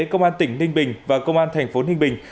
công an tỉnh ninh bình và công an thành phố ninh bình